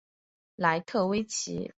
楠特威奇。